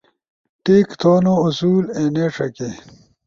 ٹیک تھونو اصول اینے ݜکے